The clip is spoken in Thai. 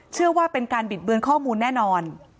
เชื่อว่าเป็นการบิดเบือนข้อมูลแน่นอน